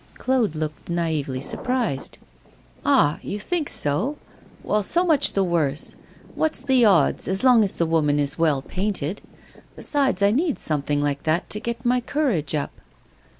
Claude looked naively surprised. 'Ah! you think so? Well, so much the worse. What's the odds, as long as the woman is well painted? Besides, I need something like that to get my courage up.